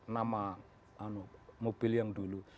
nama mobil yang dulu